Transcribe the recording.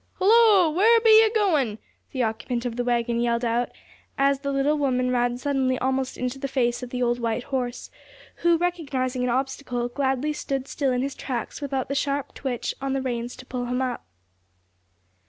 "Hullo! Where be ye goin'?" the occupant of the wagon yelled out, as the little woman ran suddenly almost into the face of the old white horse, who, recognizing an obstacle, gladly stood still in his tracks without the sharp twitch on the reins to pull him up.